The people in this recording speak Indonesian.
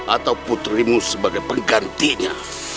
atau putrimu sebagai penggantinya